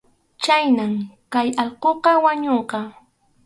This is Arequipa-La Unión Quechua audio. Chhaynam kay allquqa wañunqa.